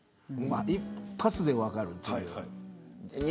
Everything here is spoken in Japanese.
一発で分かるっていう。